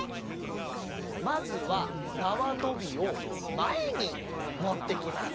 まずはなわとびを前にもってきます。